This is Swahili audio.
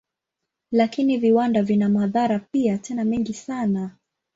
Lakini viwanda vina madhara pia, tena mengi sana.